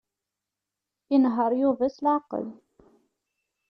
Inehheṛ Yuba s leɛqel.